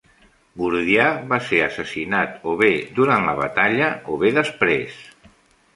Gordià va ser assassinat o bé durant la batalla, o bé després.